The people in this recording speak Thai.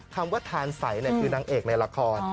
คำว่าทานใสคือนางเอกในละคร